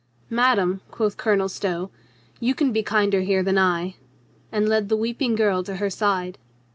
"Madame," quoth Colonel Stow, "you can be kinder here than I," and led the weeping girl to her side.